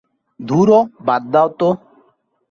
ধুরো, বাদ দাও তো!